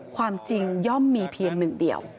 ความจริงย่อมมีเพียงหนึ่งเดียว